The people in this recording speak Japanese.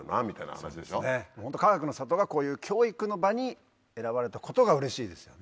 そうですねかがくの里がこういう教育の場に選ばれたことがうれしいですよね。